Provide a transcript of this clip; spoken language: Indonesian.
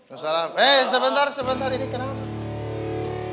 eh sebentar sebentar ini kenapa